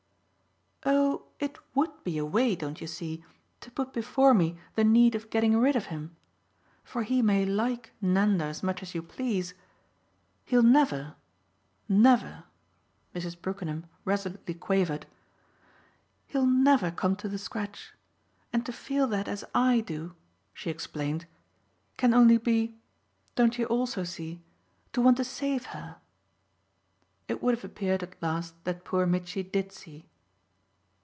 "Oh it WOULD be a way, don't you see? to put before me the need of getting rid of him. For he may 'like' Nanda as much as you please: he'll never, never," Mrs. Brookenham resolutely quavered "he'll never come to the scratch. And to feel that as I do," she explained, "can only be, don't you also see? to want to save her." It would have appeared at last that poor Mitchy did see.